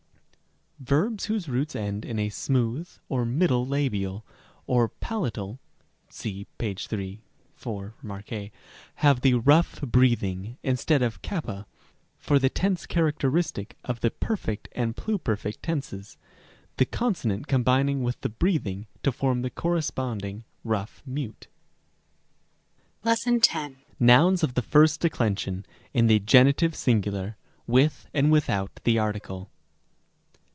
Verbs whose roots end in a smooth or middle labial or pala tal (see p. 8, 4, Rem. a) have the rough breathing instead of x for the tense characteristic of the perfect and pluperfect tenses, the consonant combining with the breathing to form the corresponding rough mute. §10. Nouns of the first declension, in the genitive sin gular, with and without the article.